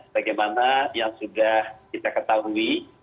sebagaimana yang sudah kita ketahui